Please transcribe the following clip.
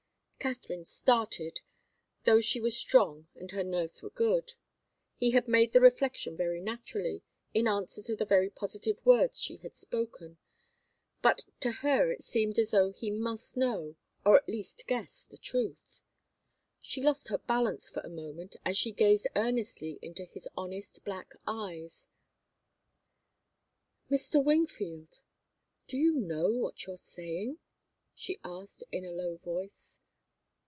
Katharine started, though she was strong and her nerves were good. He had made the reflection very naturally, in answer to the very positive words she had spoken. But to her it seemed as though he must know, or at least guess, the truth. She lost her balance for a moment, as she gazed earnestly into his honest black eyes. "Mr. Wingfield do you know what you're saying?" she asked, in a low voice.